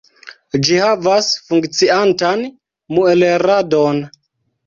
Ĝi havas funkciantan muelradon.